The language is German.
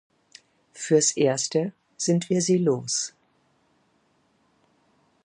Fürs Erste sind wir sie los.